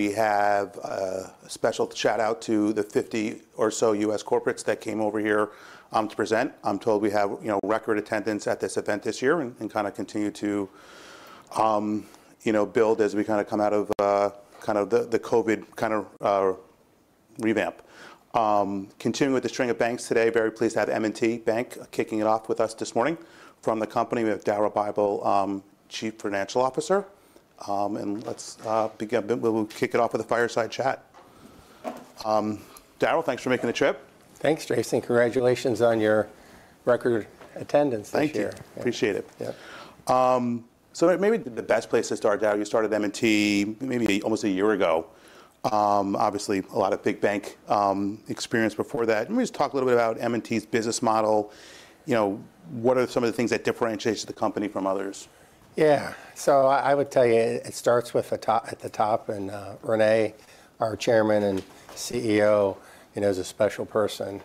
We have a special shout-out to the 50 or so U.S. corporates that came over here to present. I'm told we have, you know, record attendance at this event this year and kind of continue to, you know, build as we kind of come out of kind of the COVID kind of revamp. Continuing with the string of banks today, very pleased to have M&T Bank kicking it off with us this morning from the company with Daryl Bible, Chief Financial Officer. And let's begin. We'll kick it off with a fireside chat. Daryl, thanks for making the trip. Thanks, Jason. Congratulations on your record attendance this year. Thank you. Appreciate it. Yeah. Maybe the best place to start, Daryl, you started M&T maybe almost a year ago. Obviously a lot of big bank experience before that. Let me just talk a little bit about M&T's business model. You know, what are some of the things that differentiate the company from others? Yeah. So I, I would tell you it starts with the top at the top. And, René, our Chairman and CEO, you know, is a special person.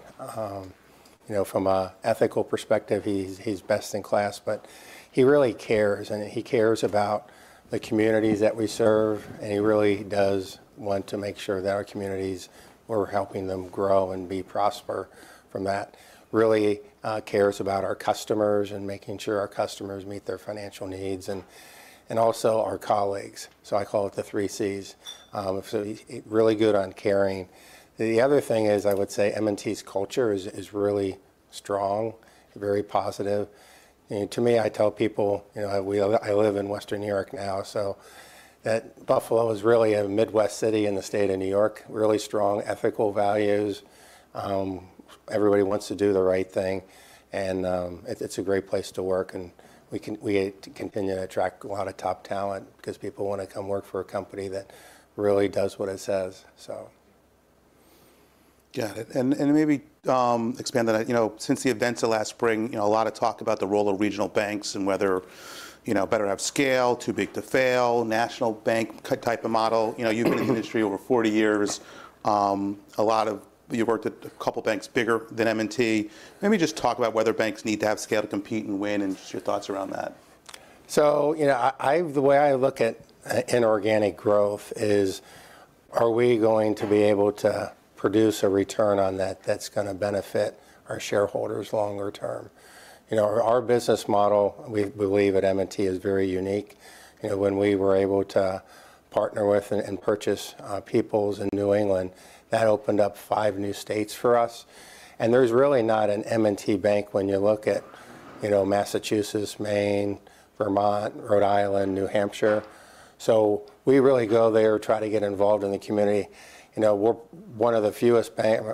You know, from an ethical perspective, he's, he's best in class. But he really cares. And he cares about the communities that we serve. And he really does want to make sure that our communities, we're helping them grow and be prosper from that. Really, cares about our customers and making sure our customers meet their financial needs and, and also our colleagues. So I call it the three Cs. So he's really good on caring. The other thing is, I would say, M&T's culture is, is really strong, very positive. You know, to me, I tell people, you know, we live I live in Western New York now, so that Buffalo is really a Midwest city in the state of New York. Really strong ethical values. Everybody wants to do the right thing. And it's a great place to work. And we can continue to attract a lot of top talent because people want to come work for a company that really does what it says, so. Got it. And maybe expand on that. You know, since the events of last spring, you know, a lot of talk about the role of regional banks and whether, you know, better have scale, too big to fail, national bank type of model. You know, you've been in the industry over 40 years. A lot, you've worked at a couple banks bigger than M&T. Maybe just talk about whether banks need to have scale to compete and win, and just your thoughts around that. So, you know, I, I the way I look at inorganic growth is, are we going to be able to produce a return on that that's going to benefit our shareholders longer term? You know, our business model, we believe at M&T, is very unique. You know, when we were able to partner with and purchase People's in New England, that opened up five new states for us. And there's really not an M&T Bank when you look at, you know, Massachusetts, Maine, Vermont, Rhode Island, New Hampshire. So we really go there, try to get involved in the community. You know, we're one of the fewest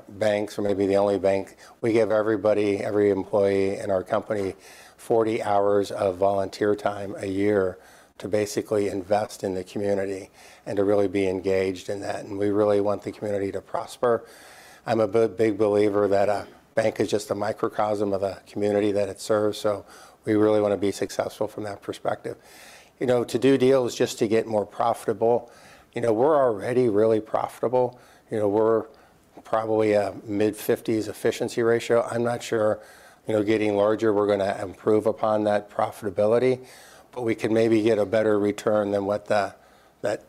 banks or maybe the only bank. We give everybody, every employee in our company, 40 hours of volunteer time a year to basically invest in the community and to really be engaged in that. And we really want the community to prosper. I'm a big, big believer that a bank is just a microcosm of the community that it serves. So we really want to be successful from that perspective. You know, to do deals just to get more profitable, you know, we're already really profitable. You know, we're probably a mid-50s efficiency ratio. I'm not sure, you know, getting larger, we're going to improve upon that profitability. But we can maybe get a better return than what that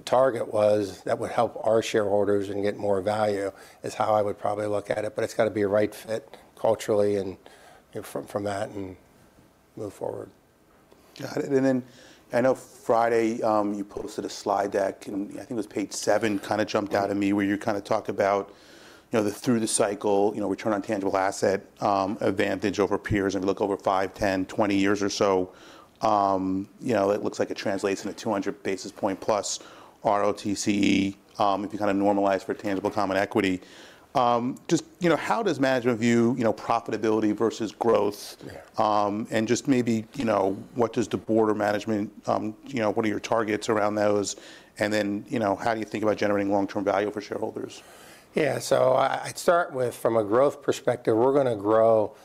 target was that would help our shareholders and get more value is how I would probably look at it. But it's got to be a right fit culturally and, you know, from that and move forward. Got it. And then I know Friday, you posted a slide deck. And I think it was page 7 kind of jumped out at me where you kind of talk about, you know, the through-the-cycle, you know, return on tangible asset, advantage over peers. And if you look over 5, 10, 20 years or so, you know, it looks like it translates into 200 basis point plus ROTCE, if you kind of normalize for tangible common equity. Just, you know, how does management view, you know, profitability versus growth? And just maybe, you know, what does the broader management, you know, what are your targets around those? And then, you know, how do you think about generating long-term value for shareholders? Yeah. So I'd start with, from a growth perspective, we're going to grow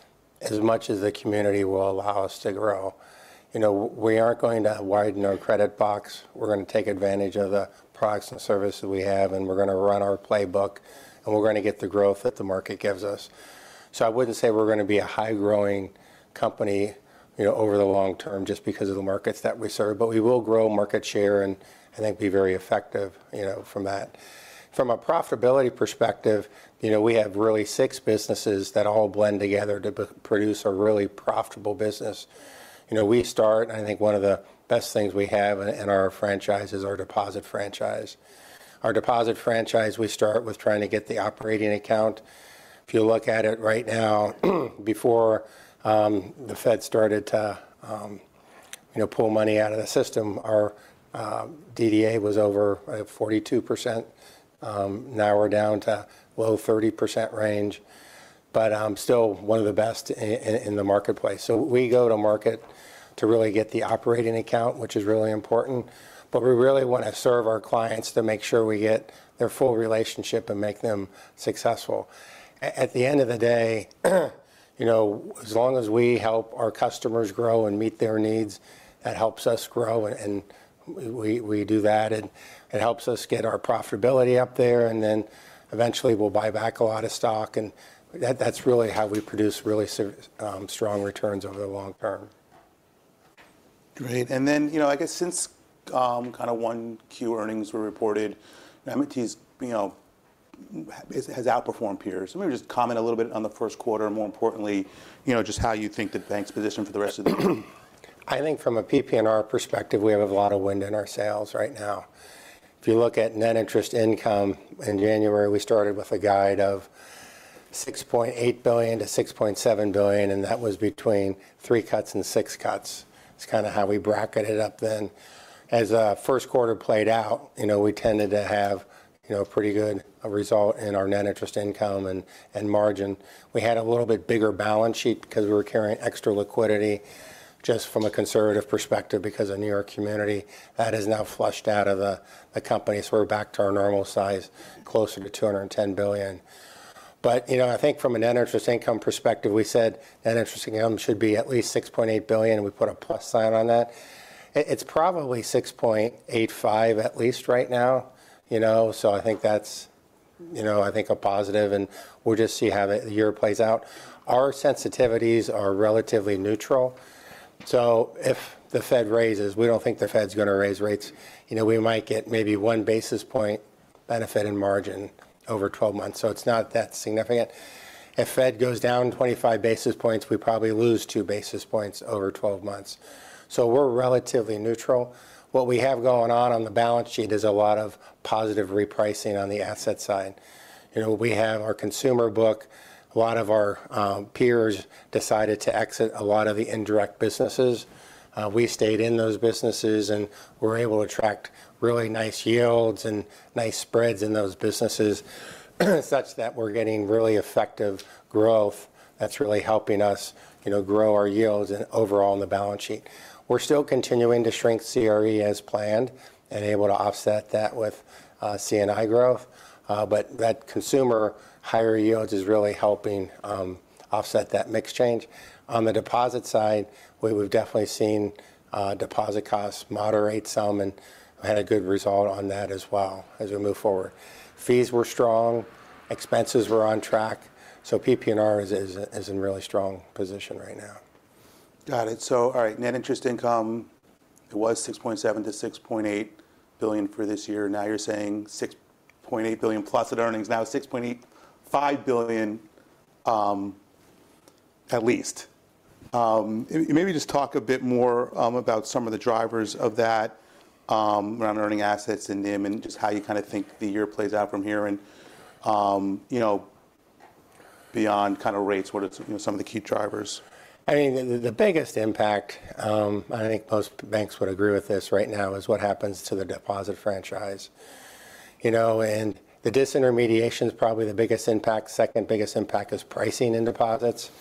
as much as the community will allow us to grow. You know, we aren't going to widen our credit box. We're going to take advantage of the products and services we have. And we're going to run our playbook. And we're going to get the growth that the market gives us. So I wouldn't say we're going to be a high-growing company, you know, over the long term just because of the markets that we serve. But we will grow market share and, and I think be very effective, you know, from that. From a profitability perspective, you know, we have really six businesses that all blend together to produce a really profitable business. You know, we start and I think one of the best things we have in our franchise is our deposit franchise. Our deposit franchise, we start with trying to get the operating account. If you look at it right now, before the Fed started to, you know, pull money out of the system, our DDA was over 42%. Now we're down to low 30% range. But still one of the best in the marketplace. So we go to market to really get the operating account, which is really important. But we really want to serve our clients to make sure we get their full relationship and make them successful. At the end of the day, you know, as long as we help our customers grow and meet their needs, that helps us grow. And we, we do that. And it helps us get our profitability up there. And then eventually, we'll buy back a lot of stock. And that's really how we produce really strong returns over the long term. Great. Then, you know, I guess since kind of Q1 earnings were reported, M&T has, you know, outperformed peers. Let me just comment a little bit on the first quarter and, more importantly, you know, just how you think the bank's position for the rest of the year. I think from a PPNR perspective, we have a lot of wind in our sales right now. If you look at net interest income in January, we started with a guide of $6.8 billion to $6.7 billion. And that was between three cuts and six cuts. It's kind of how we bracketed up then. As first quarter played out, you know, we tended to have, you know, a pretty good result in our net interest income and margin. We had a little bit bigger balance sheet because we were carrying extra liquidity just from a conservative perspective because of New York Community. That has now flushed out of the company. So we're back to our normal size, closer to $210 billion. But, you know, I think from a net interest income perspective, we said net interest income should be at least $6.8 billion. We put a plus sign on that. It's probably $6.85 at least right now, you know? So I think that's, you know, I think a positive. And we'll just see how the year plays out. Our sensitivities are relatively neutral. So if the Fed raises, we don't think the Fed's going to raise rates. You know, we might get maybe one basis point benefit in margin over 12 months. So it's not that significant. If Fed goes down 25 basis points, we probably lose two basis points over 12 months. So we're relatively neutral. What we have going on on the balance sheet is a lot of positive repricing on the asset side. You know, we have our consumer book. A lot of our peers decided to exit a lot of the indirect businesses. We stayed in those businesses. We're able to track really nice yields and nice spreads in those businesses such that we're getting really effective growth that's really helping us, you know, grow our yields overall on the balance sheet. We're still continuing to shrink CRE as planned and able to offset that with C&I growth. But that consumer higher yields is really helping offset that mixed change. On the deposit side, we've definitely seen deposit costs moderate some. We had a good result on that as well as we move forward. Fees were strong. Expenses were on track. PP&R is in really strong position right now. Got it. So all right. Net interest income, it was $6.7 billion-$6.8 billion for this year. Now you're saying $6.8 billion+ at earnings. Now $6.85 billion, at least. Maybe just talk a bit more, about some of the drivers of that, around earning assets and NIM and just how you kind of think the year plays out from here and, you know, beyond kind of rates, what are, you know, some of the key drivers? I mean, the biggest impact, I think most banks would agree with this right now, is what happens to the deposit franchise. You know, and the disintermediation is probably the biggest impact. Second biggest impact is pricing in deposits.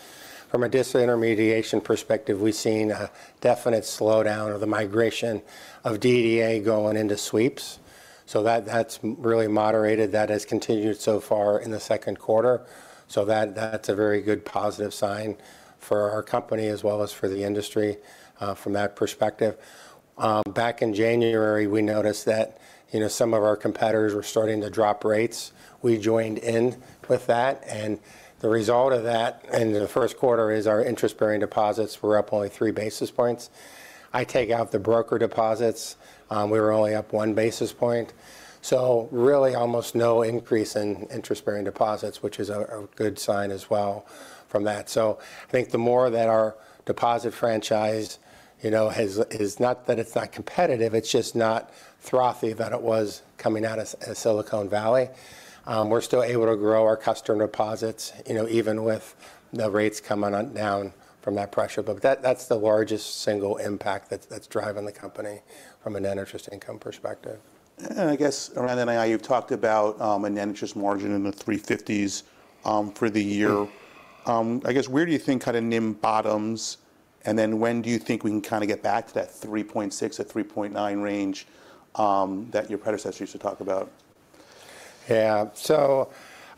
From a disintermediation perspective, we've seen a definite slowdown of the migration of DDA going into sweeps. So that's really moderated. That has continued so far in the second quarter. So that's a very good positive sign for our company as well as for the industry from that perspective. Back in January, we noticed that, you know, some of our competitors were starting to drop rates. We joined in with that. And the result of that in the first quarter is our interest-bearing deposits were up only 3 basis points. I take out the broker deposits. We were only up 1 basis point. So really almost no increase in interest-bearing deposits, which is a good sign as well from that. So I think the more that our deposit franchise, you know, has not that it's not competitive, it's just not frothy that it was coming out of Silicon Valley. We're still able to grow our customer deposits, you know, even with the rates coming down from that pressure. But that's the largest single impact that's driving the company from a net interest income perspective. And I guess, Darren and I, you've talked about a net interest margin in the $350s for the year. I guess, where do you think kind of NIM bottoms? And then when do you think we can kind of get back to that $3.6-$3.9 range that your predecessors used to talk about? Yeah. So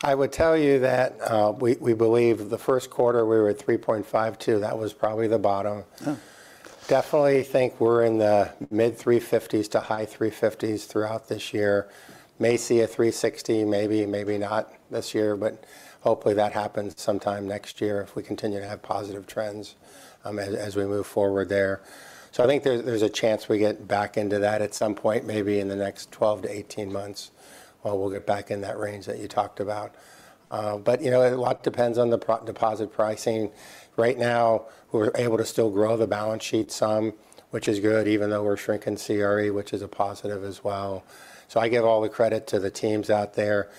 I would tell you that we believe the first quarter, we were at $3.52. That was probably the bottom. Definitely think we're in the mid-$3.50s to high-$3.50s throughout this year. May see a $3.60, maybe, maybe not this year. But hopefully, that happens sometime next year if we continue to have positive trends as we move forward there. So I think there's a chance we get back into that at some point, maybe in the next 12-18 months while we'll get back in that range that you talked about. But, you know, a lot depends on the deposit pricing. Right now, we're able to still grow the balance sheet some, which is good even though we're shrinking CRE, which is a positive as well. So I give all the credit to the teams out there,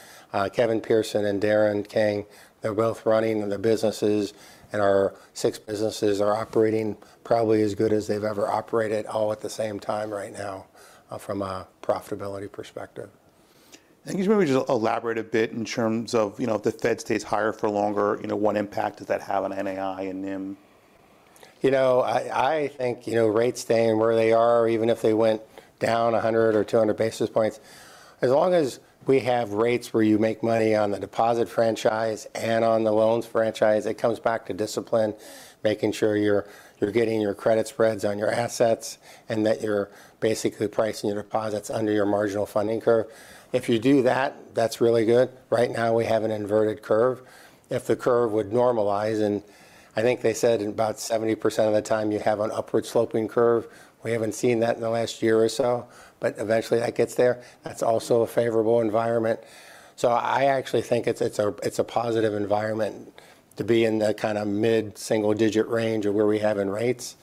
Kevin Pearson and Darren King. They're both running the businesses. Our six businesses are operating probably as good as they've ever operated all at the same time right now from a profitability perspective. Can you maybe just elaborate a bit in terms of, you know, if the Fed stays higher for longer, you know, what impact does that have on NAI and NIM? You know, I think, you know, rates staying where they are, even if they went down 100 or 200 basis points, as long as we have rates where you make money on the deposit franchise and on the loans franchise, it comes back to discipline, making sure you're getting your credit spreads on your assets and that you're basically pricing your deposits under your marginal funding curve. If you do that, that's really good. Right now, we have an inverted curve. If the curve would normalize and I think they said about 70% of the time, you have an upward sloping curve. We haven't seen that in the last year or so. But eventually, that gets there. That's also a favorable environment. So I actually think it's a positive environment to be in the kind of mid-single-digit range of where we have in rates.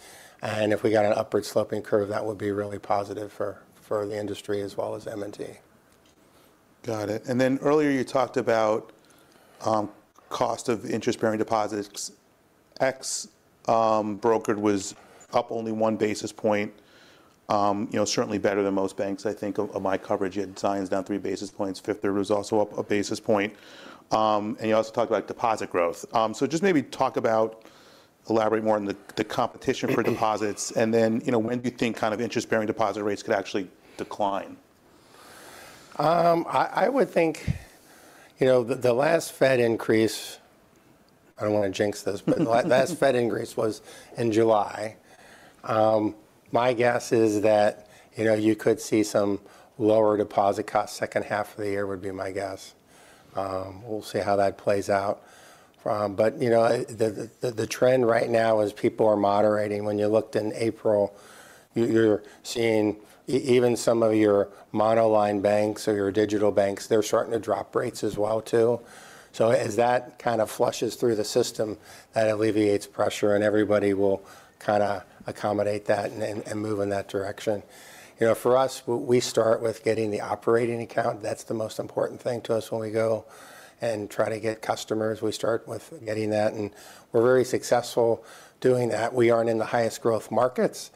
If we got an upward sloping curve, that would be really positive for the industry as well as M&T. Got it. And then earlier, you talked about cost of interest-bearing deposits. Ex-brokered was up only one basis point, you know, certainly better than most banks, I think, of my coverage. You had Zions down three basis points. Fifth Third was also up a basis point. And you also talked about deposit growth. So just maybe talk about elaborate more on the competition for deposits. And then, you know, when do you think kind of interest-bearing deposit rates could actually decline? I would think, you know, the last Fed increase, I don't want to jinx this. But the last Fed increase was in July. My guess is that, you know, you could see some lower deposit costs. Second half of the year would be my guess. We'll see how that plays out. But, you know, the trend right now is people are moderating. When you looked in April, you're seeing even some of your monoline banks or your digital banks, they're starting to drop rates as well, too. So as that kind of flushes through the system, that alleviates pressure. And everybody will kind of accommodate that and move in that direction. You know, for us, we start with getting the operating account. That's the most important thing to us when we go and try to get customers. We start with getting that. And we're very successful doing that. We aren't in the highest growth markets.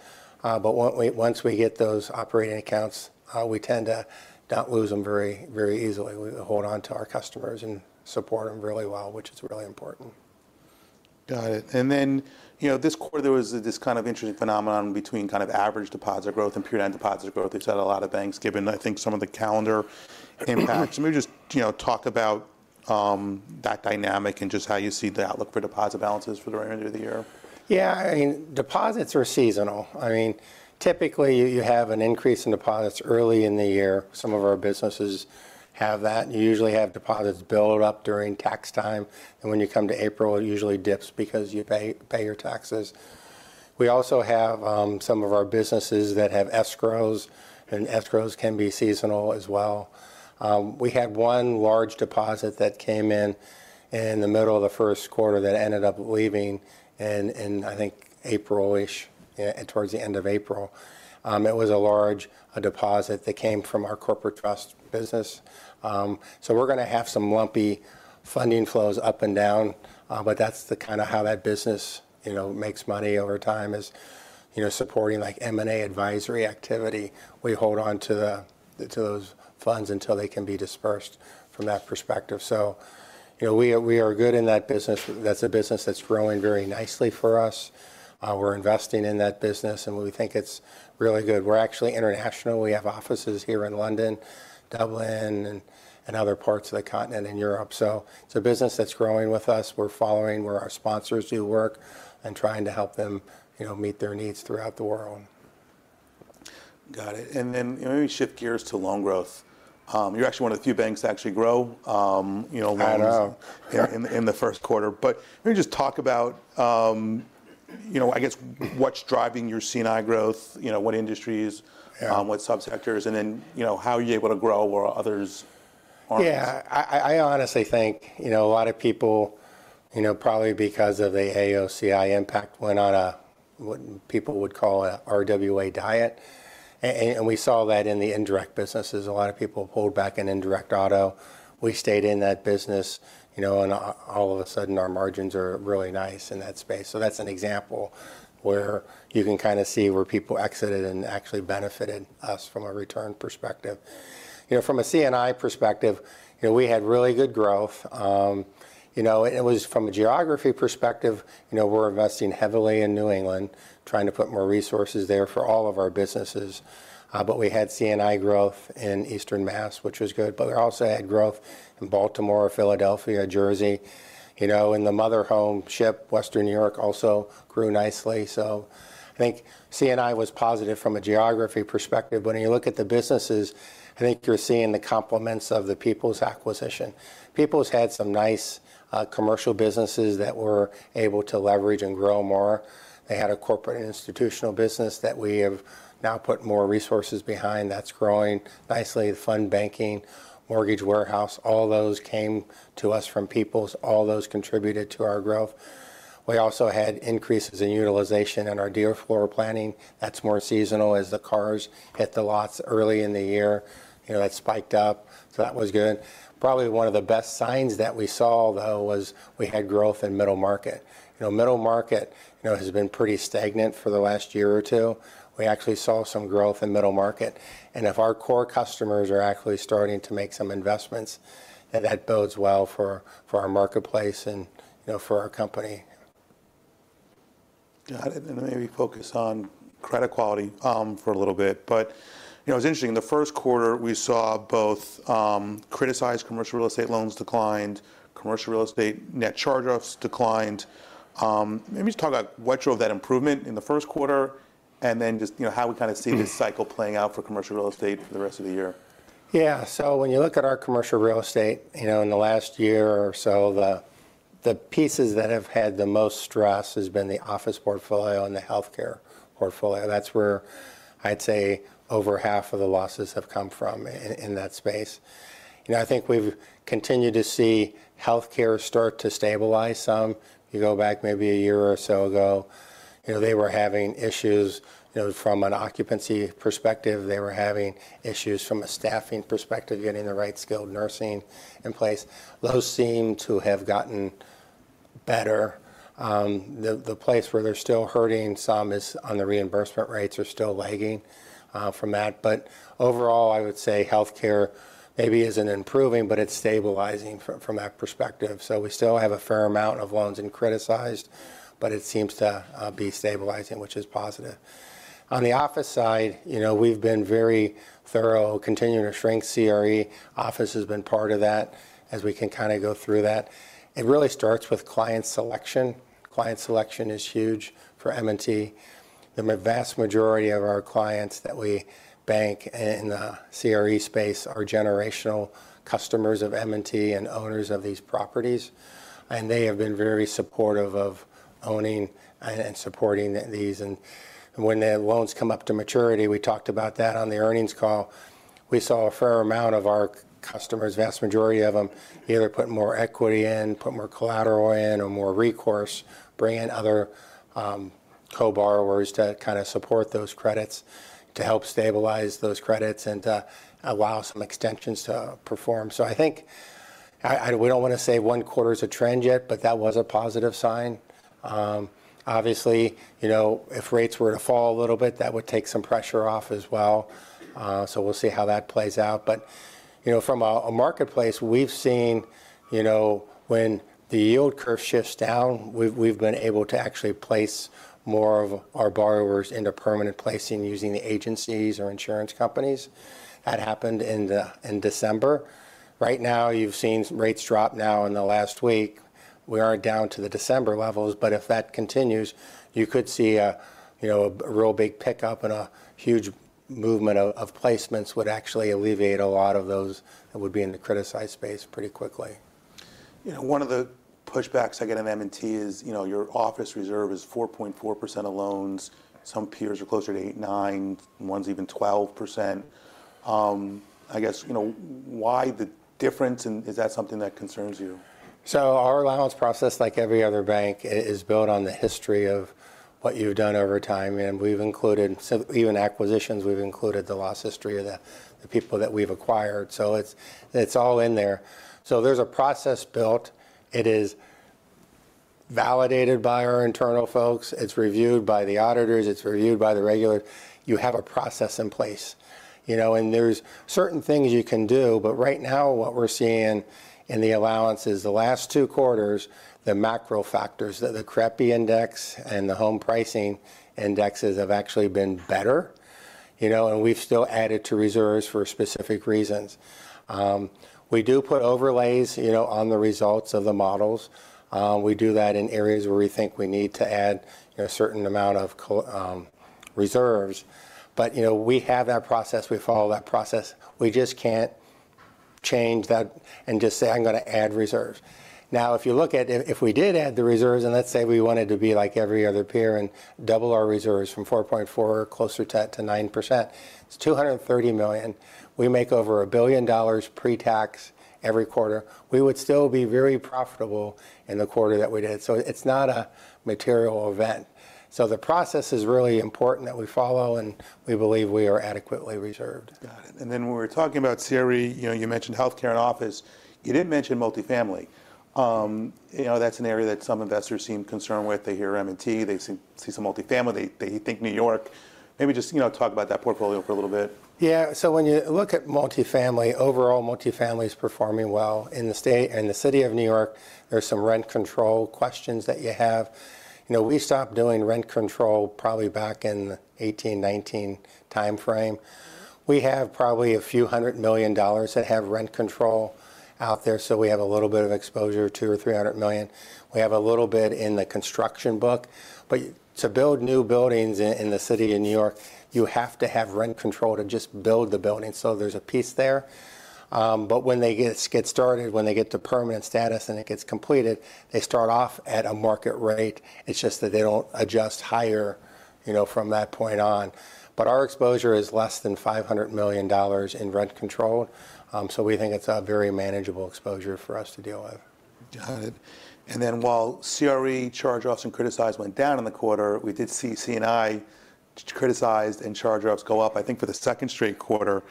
But once we get those operating accounts, we tend to not lose them very, very easily. We hold on to our customers and support them really well, which is really important. Got it. And then, you know, this quarter, there was this kind of interesting phenomenon between kind of average deposit growth and period on deposit growth. You said a lot of banks, given, I think, some of the calendar impact. So maybe just, you know, talk about that dynamic and just how you see the outlook for deposit balances for the remainder of the year. Yeah. I mean, deposits are seasonal. I mean, typically, you have an increase in deposits early in the year. Some of our businesses have that. You usually have deposits build up during tax time. And when you come to April, it usually dips because you pay your taxes. We also have some of our businesses that have escrows. And escrows can be seasonal as well. We had one large deposit that came in in the middle of the first quarter that ended up leaving in, I think, April-ish, towards the end of April. It was a large deposit that came from our corporate trust business. So we're going to have some lumpy funding flows up and down. But that's kind of how that business, you know, makes money over time, is, you know, supporting like M&A advisory activity. We hold on to those funds until they can be dispersed from that perspective. So, you know, we are good in that business. That's a business that's growing very nicely for us. We're investing in that business. And we think it's really good. We're actually international. We have offices here in London, Dublin, and other parts of the continent in Europe. So it's a business that's growing with us. We're following where our sponsors do work and trying to help them, you know, meet their needs throughout the world. Got it. And then maybe shift gears to loan growth. You're actually one of the few banks to actually grow loans in the first quarter. But maybe just talk about, you know, I guess, what's driving your CNI growth, you know, what industries, what subsectors, and then, you know, how are you able to grow where others aren't? Yeah. I honestly think, you know, a lot of people, you know, probably because of the AOCI impact, went on a what people would call an RWA diet. We saw that in the indirect businesses. A lot of people pulled back in indirect auto. We stayed in that business. You know, and all of a sudden, our margins are really nice in that space. So that's an example where you can kind of see where people exited and actually benefited us from a return perspective. You know, from a CNI perspective, you know, we had really good growth. You know, it was from a geography perspective. You know, we're investing heavily in New England, trying to put more resources there for all of our businesses. But we had CNI growth in Eastern Mass, which was good. But we also had growth in Baltimore, Philadelphia, Jersey. You know, and the mothership, Western New York, also grew nicely. So I think CNI was positive from a geography perspective. But when you look at the businesses, I think you're seeing the complements of the People's Acquisition. People's had some nice commercial businesses that were able to leverage and grow more. They had a corporate and institutional business that we have now put more resources behind that's growing nicely, the fund banking, mortgage warehouse. All those came to us from People's. All those contributed to our growth. We also had increases in utilization in our dealer floor planning. That's more seasonal as the cars hit the lots early in the year. You know, that spiked up. So that was good. Probably one of the best signs that we saw, though, was we had growth in middle market. You know, middle market, you know, has been pretty stagnant for the last year or two. We actually saw some growth in middle market. If our core customers are actually starting to make some investments, that bodes well for our marketplace and, you know, for our company. Got it. And then maybe focus on credit quality for a little bit. But, you know, it was interesting. The first quarter, we saw both criticized commercial real estate loans declined, commercial real estate net charge-offs declined. Maybe just talk about what drove that improvement in the first quarter and then just, you know, how we kind of see this cycle playing out for commercial real estate for the rest of the year. Yeah. So when you look at our commercial real estate, you know, in the last year or so, the pieces that have had the most stress has been the office portfolio and the health care portfolio. That's where I'd say over half of the losses have come from in that space. You know, I think we've continued to see health care start to stabilize some. If you go back maybe a year or so ago, you know, they were having issues, you know, from an occupancy perspective. They were having issues from a staffing perspective, getting the right skilled nursing in place. Those seem to have gotten better. The place where they're still hurting some is on the reimbursement rates are still lagging from that. But overall, I would say health care maybe isn't improving, but it's stabilizing from that perspective. So we still have a fair amount of loans in criticized. But it seems to be stabilizing, which is positive. On the office side, you know, we've been very thorough, continuing to shrink CRE. Office has been part of that as we can kind of go through that. It really starts with client selection. Client selection is huge for M&T. The vast majority of our clients that we bank in the CRE space are generational customers of M&T and owners of these properties. And they have been very supportive of owning and supporting these. When the loans come up to maturity, we talked about that on the earnings call, we saw a fair amount of our customers, vast majority of them, either put more equity in, put more collateral in, or more recourse, bring in other co-borrowers to kind of support those credits, to help stabilize those credits, and to allow some extensions to perform. So I think we don't want to say one quarter is a trend yet, but that was a positive sign. Obviously, you know, if rates were to fall a little bit, that would take some pressure off as well. So we'll see how that plays out. But, you know, from a marketplace, we've seen, you know, when the yield curve shifts down, we've been able to actually place more of our borrowers into permanent placing using the agencies or insurance companies. That happened in December. Right now, you've seen rates drop now in the last week. We aren't down to the December levels. But if that continues, you could see a real big pickup. And a huge movement of placements would actually alleviate a lot of those that would be in the criticized space pretty quickly. You know, one of the pushbacks I get in M&T is, you know, your office reserve is 4.4% of loans. Some peers are closer to 8%, 9%, and ones even 12%. I guess, you know, why the difference? Is that something that concerns you? So our allowance process, like every other bank, is built on the history of what you've done over time. We've included even acquisitions. We've included the loss history of the people that we've acquired. So it's all in there. So there's a process built. It is validated by our internal folks. It's reviewed by the auditors. It's reviewed by the regulators. You have a process in place, you know? And there's certain things you can do. But right now, what we're seeing in the allowances the last two quarters, the macro factors, the CREPI Index and the home pricing indexes have actually been better, you know? And we've still added to reserves for specific reasons. We do put overlays, you know, on the results of the models. We do that in areas where we think we need to add a certain amount of reserves. But, you know, we have that process. We follow that process. We just can't change that and just say, I'm going to add reserves. Now, if you look at if we did add the reserves, and let's say we wanted to be like every other peer and double our reserves from 4.4% closer to 9%, it's $230 million. We make over $1 billion pre-tax every quarter. We would still be very profitable in the quarter that we did. So it's not a material event. So the process is really important that we follow. And we believe we are adequately reserved. Got it. And then when we were talking about CRE, you know, you mentioned health care and office. You didn't mention multifamily. You know, that's an area that some investors seem concerned with. They hear M&T. They see some multifamily. They think New York. Maybe just, you know, talk about that portfolio for a little bit. Yeah. So when you look at multifamily, overall, multifamily is performing well in the state and the city of New York. There's some rent control questions that you have. You know, we stopped doing rent control probably back in the 2018, 2019 time frame. We have probably a few hundred million that have rent control out there. So we have a little bit of exposure, $200 million-$300 million. We have a little bit in the construction book. But to build new buildings in the city of New York, you have to have rent control to just build the building. So there's a piece there. But when they get started, when they get to permanent status and it gets completed, they start off at a market rate. It's just that they don't adjust higher, you know, from that point on. But our exposure is less than $500 million in rent control. So we think it's a very manageable exposure for us to deal with. Got it. And then while CRE, charge-offs, and criticized went down in the quarter, we did see CNI, criticized, and charge-offs go up, I think, for the second straight quarter.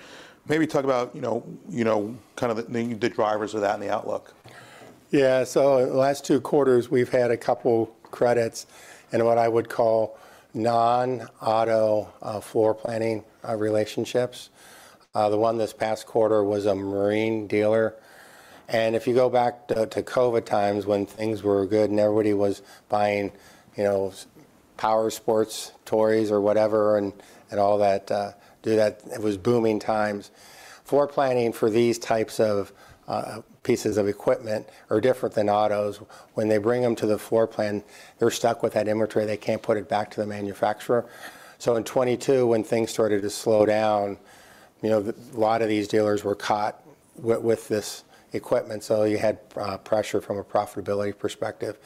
Maybe talk about, you know, kind of the drivers of that and the outlook. Yeah. So the last two quarters, we've had a couple of credits in what I would call non-auto floor planning relationships. The one this past quarter was a marine dealer. And if you go back to COVID times when things were good and everybody was buying, you know, power sports toys or whatever and all that, it was booming times. Floor planning for these types of pieces of equipment are different than autos. When they bring them to the floor plan, they're stuck with that inventory. They can't put it back to the manufacturer. So in 2022, when things started to slow down, you know, a lot of these dealers were caught with this equipment. So you had pressure from a profitability perspective.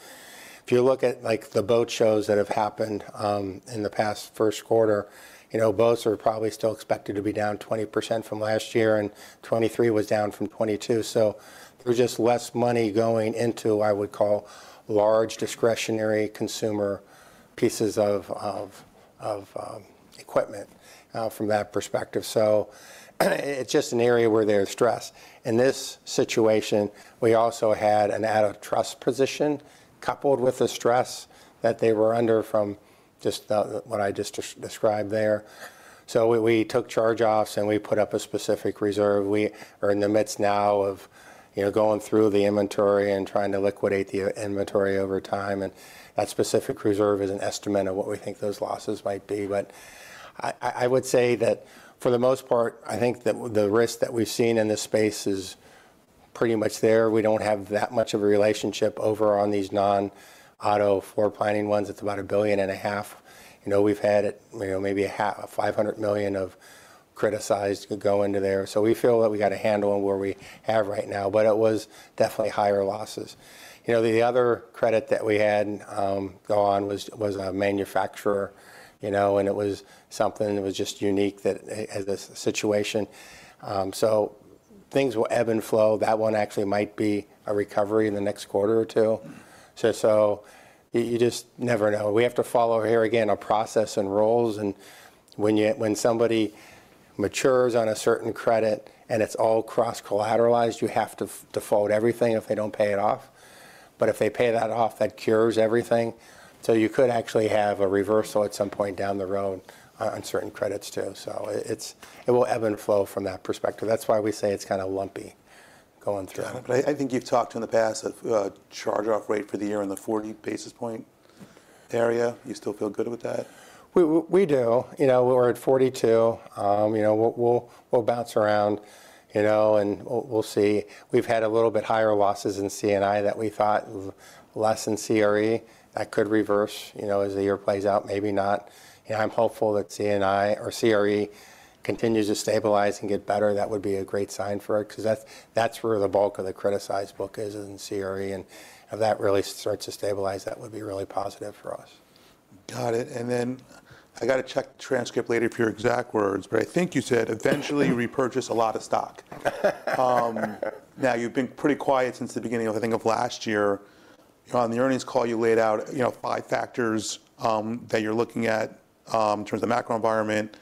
If you look at, like, the boat shows that have happened in the past first quarter, you know, boats are probably still expected to be down 20% from last year. And 2023 was down from 2022. So there's just less money going into, I would call, large discretionary consumer pieces of equipment from that perspective. So it's just an area where there's stress. In this situation, we also had an out-of-trust position coupled with the stress that they were under from just what I just described there. So we took charge-offs. And we put up a specific reserve. We are in the midst now of, you know, going through the inventory and trying to liquidate the inventory over time. And that specific reserve is an estimate of what we think those losses might be. But I would say that for the most part, I think that the risk that we've seen in this space is pretty much there. We don't have that much of a relationship over on these non-auto floor planning ones. It's about $1.5 billion. You know, we've had, you know, maybe $500 million of criticized go into there. So we feel that we got to handle them where we have right now. But it was definitely higher losses. You know, the other credit that we had gone on was a manufacturer, you know? And it was something that was just unique that has this situation. So things will ebb and flow. That one actually might be a recovery in the next quarter or two. So you just never know. We have to follow here, again, a process and rules. When somebody matures on a certain credit and it's all cross-collateralized, you have to default everything if they don't pay it off. But if they pay that off, that cures everything. So you could actually have a reversal at some point down the road on certain credits too. So it will ebb and flow from that perspective. That's why we say it's kind of lumpy going through. Got it. But I think you've talked in the past that charge-off rate for the year in the 40 basis points area. You still feel good with that? We do. You know, we're at 42. You know, we'll bounce around, you know, and we'll see. We've had a little bit higher losses in CNI that we thought less in CRE that could reverse, you know, as the year plays out, maybe not. You know, I'm hopeful that CNI or CRE continues to stabilize and get better. That would be a great sign for it because that's where the bulk of the criticized book is in CRE. And if that really starts to stabilize, that would be really positive for us. Got it. And then I got to check the transcript later for your exact words. But I think you said, eventually, repurchase a lot of stock. Now, you've been pretty quiet since the beginning, I think, of last year. You know, on the earnings call, you laid out, you know, five factors that you're looking at in terms of macro environment,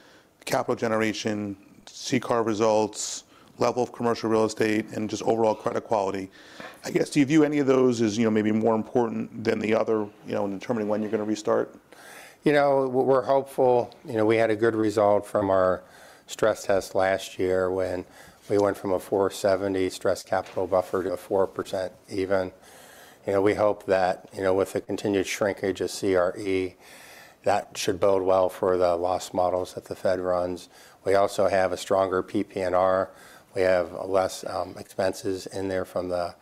capital generation, CCAR results, level of commercial real estate, and just overall credit quality. I guess, do you view any of those as, you know, maybe more important than the other, you know, in determining when you're going to restart? You know, we're hopeful. You know, we had a good result from our stress test last year when we went from a 470 stress capital buffer to a 4% even. You know, we hope that, you know, with the continued shrinkage of CRE, that should bode well for the loss models that the Fed runs. We also have a stronger PP&R. We have less expenses in there from the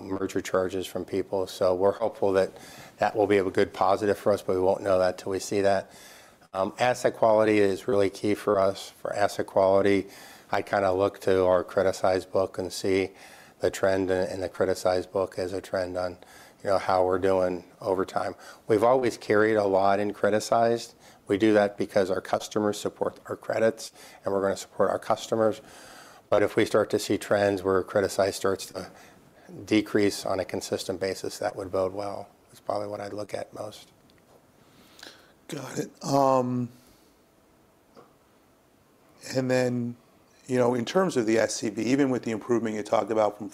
merger charges from People's. So we're hopeful that that will be a good positive for us. But we won't know that till we see that. Asset quality is really key for us. For asset quality, I kind of look to our criticized book and see the trend in the criticized book as a trend on, you know, how we're doing over time. We've always carried a lot in criticized. We do that because our customers support our credits. We're going to support our customers. But if we start to see trends where criticized starts to decrease on a consistent basis, that would bode well. That's probably what I'd look at most. Got it. And then, you know, in terms of the SCB, even with the improvement you talked about from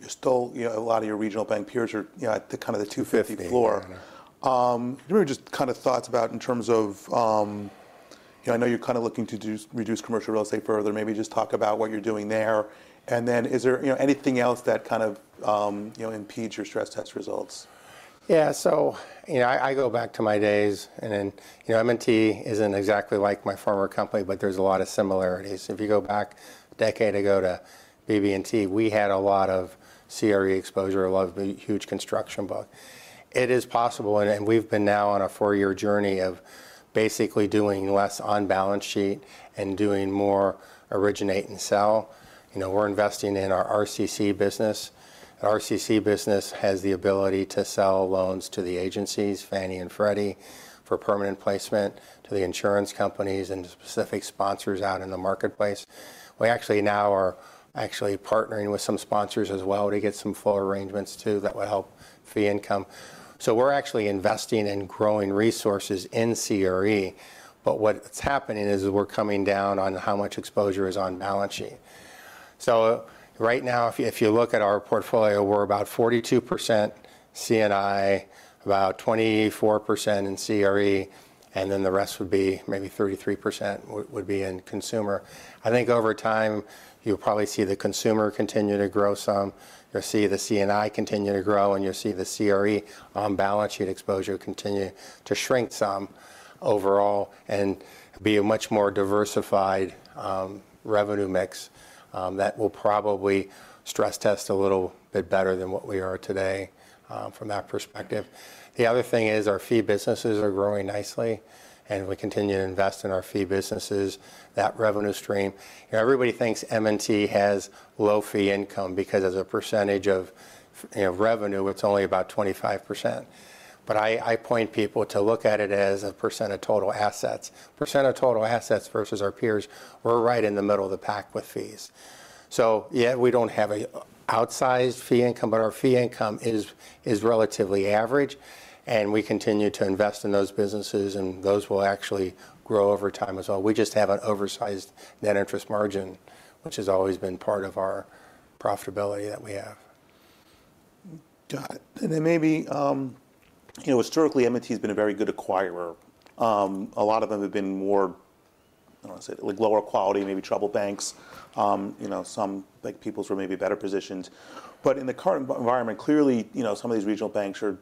470 to 4, you're still, you know, a lot of your regional bank peers are, you know, at the kind of the 250 floor. 250, yeah. Can you give me just kind of thoughts about in terms of, you know, I know you're kind of looking to reduce commercial real estate further. Maybe just talk about what you're doing there. And then is there, you know, anything else that kind of, you know, impedes your stress test results? Yeah. So, you know, I go back to my days. And then, you know, M&T isn't exactly like my former company. But there's a lot of similarities. If you go back a decade ago to BB&T, we had a lot of CRE exposure. A lot of huge construction book. It is possible. And we've been now on a four-year journey of basically doing less on balance sheet and doing more originate and sell. You know, we're investing in our RCC business. Our RCC business has the ability to sell loans to the agencies, Fannie and Freddie, for permanent placement, to the insurance companies, and to specific sponsors out in the marketplace. We actually now are actually partnering with some sponsors as well to get some floor arrangements too that would help fee income. So we're actually investing in growing resources in CRE. But what's happening is we're coming down on how much exposure is on balance sheet. So right now, if you look at our portfolio, we're about 42% CNI, about 24% in CRE. And then the rest would be maybe 33% would be in consumer. I think over time, you'll probably see the consumer continue to grow some. You'll see the CNI continue to grow. And you'll see the CRE on balance sheet exposure continue to shrink some overall and be a much more diversified revenue mix that will probably stress test a little bit better than what we are today from that perspective. The other thing is our fee businesses are growing nicely. And we continue to invest in our fee businesses, that revenue stream. You know, everybody thinks M&T has low fee income because as a percentage of revenue, it's only about 25%. I point people to look at it as a % of total assets, % of total assets versus our peers. We're right in the middle of the pack with fees. So yet, we don't have an outsized fee income. But our fee income is relatively average. And we continue to invest in those businesses. And those will actually grow over time as well. We just have an oversized net interest margin, which has always been part of our profitability that we have. Got it. And then maybe, you know, historically, M&T has been a very good acquirer. A lot of them have been more, I don't want to say it, like lower quality, maybe trouble banks. You know, some people are maybe better positioned. But in the current environment, clearly, you know, some of these regional banks are,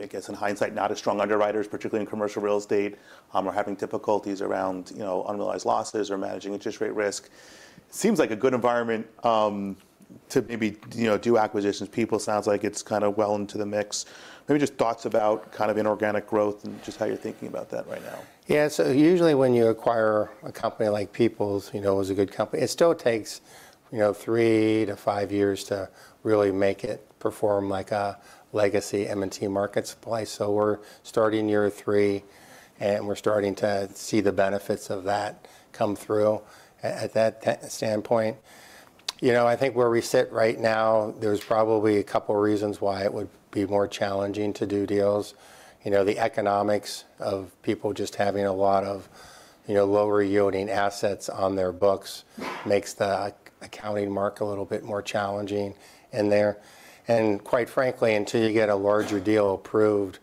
I guess, in hindsight, not as strong underwriters, particularly in commercial real estate, or having difficulties around, you know, unrealized losses or managing interest rate risk. Seems like a good environment to maybe, you know, do acquisitions. People, sounds like, it's kind of well into the mix. Maybe just thoughts about kind of inorganic growth and just how you're thinking about that right now. Yeah. So usually, when you acquire a company like People's, you know, is a good company. It still takes, you know, three to five years to really make it perform like a legacy M&T marketplace. So we're starting year three. We're starting to see the benefits of that come through at that standpoint. You know, I think where we sit right now, there's probably a couple of reasons why it would be more challenging to do deals. You know, the economics of people just having a lot of, you know, lower-yielding assets on their books makes the accounting mark a little bit more challenging in there. And quite frankly, until you get a larger deal approved,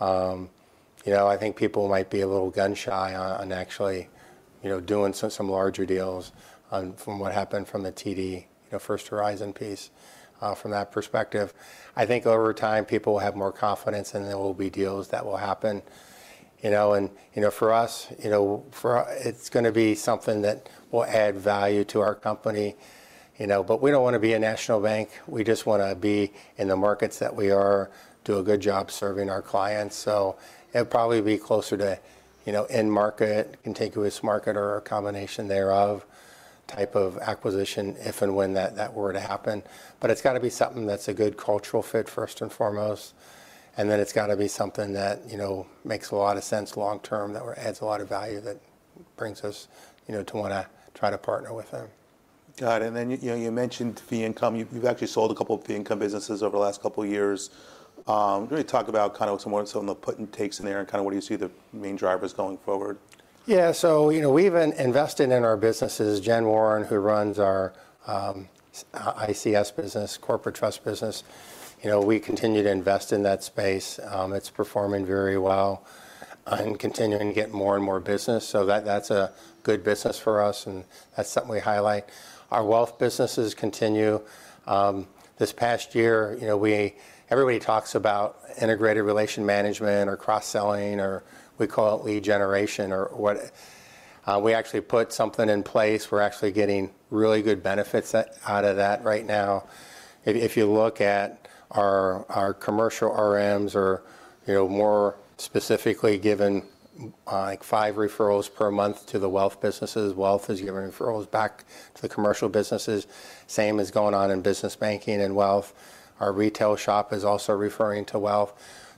you know, I think people might be a little gun shy on actually, you know, doing some larger deals from what happened from the TD, you know, First Horizon piece from that perspective. I think over time, people will have more confidence. There will be deals that will happen. You know, and, you know, for us, you know, it's going to be something that will add value to our company, you know? But we don't want to be a national bank. We just want to be in the markets that we are, do a good job serving our clients. So it'd probably be closer to, you know, end market, contiguous market, or a combination thereof type of acquisition if and when that were to happen. But it's got to be something that's a good cultural fit, first and foremost. And then it's got to be something that, you know, makes a lot of sense long term, that adds a lot of value, that brings us, you know, to want to try to partner with them. Got it. And then, you know, you mentioned fee income. You've actually sold a couple of fee income businesses over the last couple of years. Can you talk about kind of some of the put and takes in there and kind of what do you see the main drivers going forward? Yeah. So, you know, we've invested in our businesses. Jen Warren, who runs our ICS business, corporate trust business, you know, we continue to invest in that space. It's performing very well and continuing to get more and more business. So that's a good business for us. And that's something we highlight. Our wealth businesses continue. This past year, you know, everybody talks about integrated relation management or cross-selling, or we call it lead generation. We actually put something in place. We're actually getting really good benefits out of that right now. If you look at our commercial RMs or, you know, more specifically, given, like, 5 referrals per month to the wealth businesses, wealth is giving referrals back to the commercial businesses. Same is going on in business banking and wealth. Our retail shop is also referring to wealth.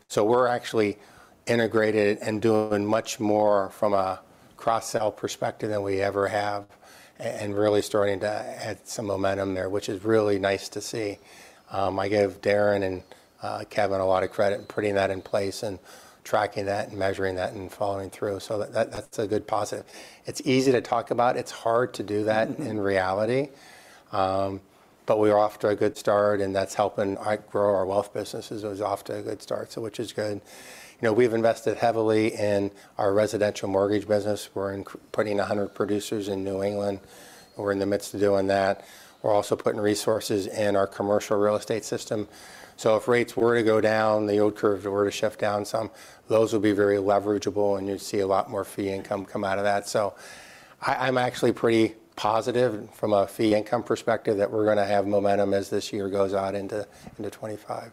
So we're actually integrated and doing much more from a cross-sell perspective than we ever have and really starting to add some momentum there, which is really nice to see. I give Darren and Kevin a lot of credit in putting that in place and tracking that and measuring that and following through. So that's a good positive. It's easy to talk about. It's hard to do that in reality. But we're off to a good start. And that's helping grow our wealth businesses. It was off to a good start, which is good. You know, we've invested heavily in our residential mortgage business. We're putting 100 producers in New England. We're in the midst of doing that. We're also putting resources in our commercial real estate system. So if rates were to go down, the old curve were to shift down some, those would be very leverageable. And you'd see a lot more fee income come out of that. So I'm actually pretty positive from a fee income perspective that we're going to have momentum as this year goes out into 2025.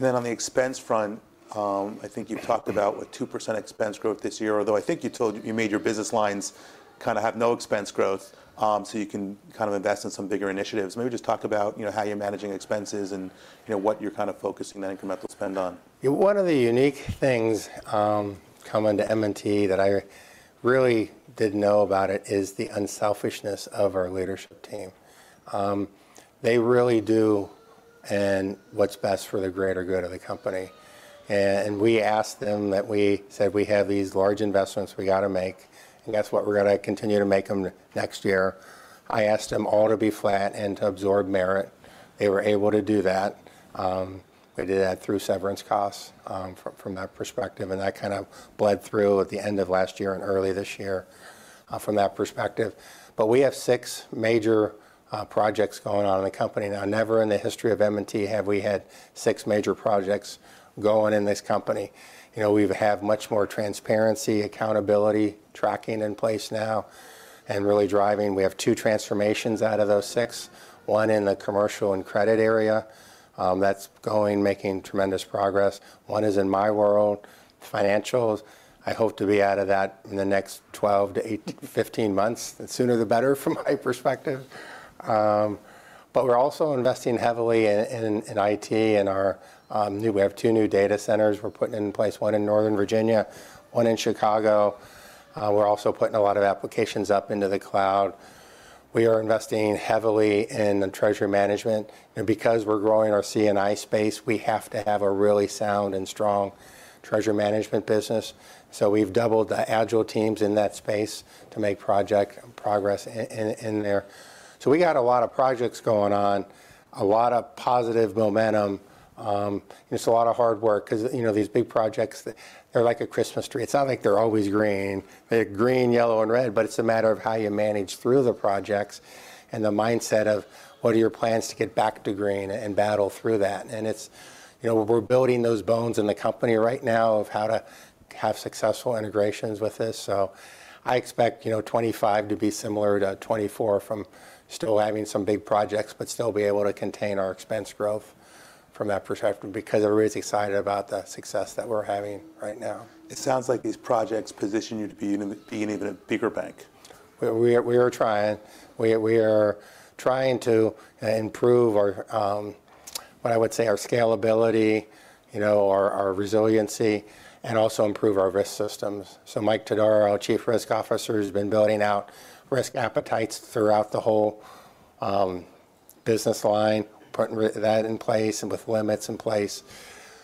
Then on the expense front, I think you've talked about, what, 2% expense growth this year, although I think you told you made your business lines kind of have no expense growth. So you can kind of invest in some bigger initiatives. Maybe just talk about, you know, how you're managing expenses and, you know, what you're kind of focusing that incremental spend on. One of the unique things coming to M&T that I really didn't know about is the unselfishness of our leadership team. They really do. And what's best for the greater good of the company. And we asked them that we said, we have these large investments we got to make. And guess what? We're going to continue to make them next year. I asked them all to be flat and to absorb merit. They were able to do that. We did that through severance costs from that perspective. And that kind of bled through at the end of last year and early this year from that perspective. But we have six major projects going on in the company now. Never in the history of M&T have we had six major projects going in this company. You know, we have much more transparency, accountability, tracking in place now and really driving. We have two transformations out of those six, one in the commercial and credit area that's going, making tremendous progress. One is in my world, financials. I hope to be out of that in the next 12-15 months. The sooner, the better from my perspective. But we're also investing heavily in IT. And we have two new data centers. We're putting in place one in Northern Virginia, one in Chicago. We're also putting a lot of applications up into the cloud. We are investing heavily in treasury management. You know, because we're growing our CNI space, we have to have a really sound and strong treasury management business. So we've doubled the agile teams in that space to make project progress in there. So we got a lot of projects going on, a lot of positive momentum. You know, it's a lot of hard work because, you know, these big projects, they're like a Christmas tree. It's not like they're always green. They're green, yellow, and red. But it's a matter of how you manage through the projects and the mindset of, what are your plans to get back to green and battle through that? And it's, you know, we're building those bones in the company right now of how to have successful integrations with this. So I expect, you know, 2025 to be similar to 2024 from still having some big projects but still be able to contain our expense growth from that perspective because everybody's excited about the success that we're having right now. It sounds like these projects position you to be even a bigger bank. We are trying. We are trying to improve our, what I would say, our scalability, you know, our resiliency, and also improve our risk systems. So Mike Todaro, Chief Risk Officer, has been building out risk appetites throughout the whole business line, putting that in place and with limits in place.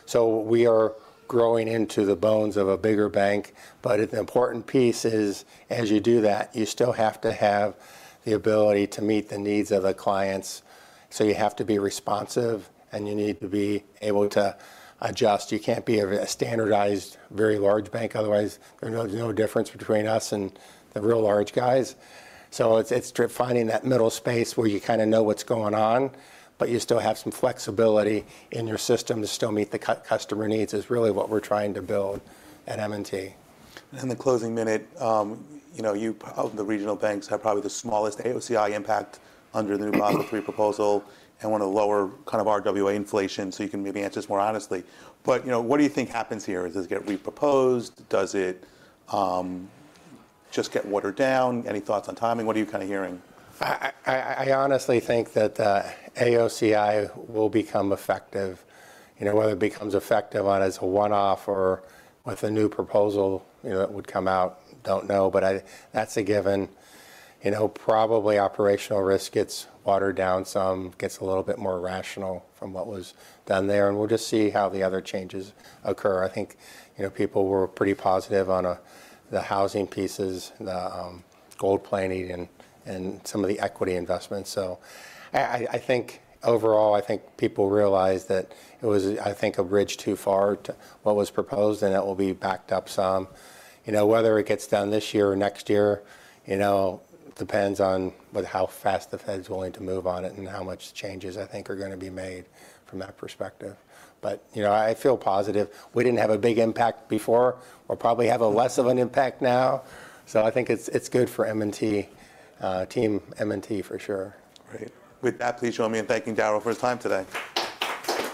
So we are growing into the bones of a bigger bank. But the important piece is, as you do that, you still have to have the ability to meet the needs of the clients. So you have to be responsive. And you need to be able to adjust. You can't be a standardized, very large bank. Otherwise, there's no difference between us and the real large guys. So it's finding that middle space where you kind of know what's going on. But you still have some flexibility in your system to still meet the customer needs is really what we're trying to build at M&T. In the closing minute, you know, the regional banks have probably the smallest AOCI impact under the new Basel III proposal and one of the lower kind of RWA inflation. So you can maybe answer this more honestly. But, you know, what do you think happens here? Does it get reproposed? Does it just get watered down? Any thoughts on timing? What are you kind of hearing? I honestly think that AOCI will become effective. You know, whether it becomes effective on as a one-off or with a new proposal, you know, that would come out. Don't know. But that's a given. You know, probably operational risk gets watered down some, gets a little bit more rational from what was done there. And we'll just see how the other changes occur. I think, you know, people were pretty positive on the housing pieces, the gold plating, and some of the equity investments. So I think overall, I think people realize that it was, I think, a bridge too far to what was proposed. And that will be backed up some. You know, whether it gets done this year or next year, you know, depends on how fast the Fed's willing to move on it and how much changes, I think, are going to be made from that perspective. But, you know, I feel positive. We didn't have a big impact before. We'll probably have less of an impact now. So I think it's good for M&T team, M&T for sure. Right. With that, please join me in thanking Daryl for his time today.